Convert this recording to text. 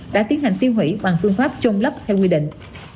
đã tiến hành tiêu hủy bằng phương pháp trôn lấp theo quy định